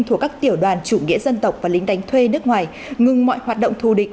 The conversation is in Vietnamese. thuộc các tiểu đoàn chủ nghĩa dân tộc và lính đánh thuê nước ngoài ngừng mọi hoạt động thù địch